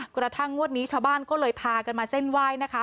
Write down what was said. กระทั่งงวดนี้ชาวบ้านก็เลยพากันมาเส้นไหว้นะคะ